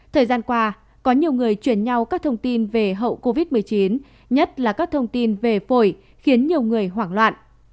thời gian qua có nhiều người chuyển nhau các thông tin về hậu covid một mươi chín nhất là các thông tin về phổi khiến nhiều người hoảng loạn